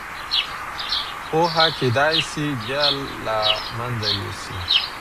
پوهه کېدای سي جهل له منځه یوسي.